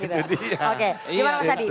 nah itu dia